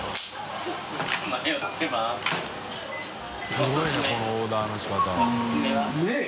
垢瓦いこのオーダーの仕方。